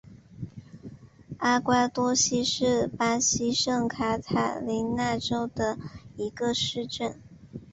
阿瓜多西是巴西圣卡塔琳娜州的一个市镇。